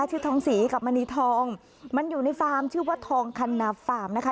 ชื่อทองศรีกับมณีทองมันอยู่ในฟาร์มชื่อว่าทองคันนาฟาร์มนะคะ